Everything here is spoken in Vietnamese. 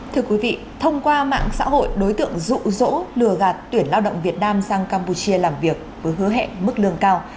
thưa quý vị thông qua mạng xã hội đối tượng rụ rỗ lừa gạt tuyển lao động việt nam sang campuchia làm việc với hứa hẹn mức lương cao